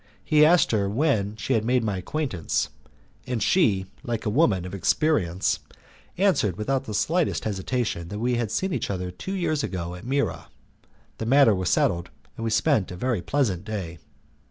He asked her when she had made my acquaintance, and she, like a woman of experience, answered without the slightest hesitation that we had seen each other two years ago at Mira. The matter was settled, and we spent a very pleasant day.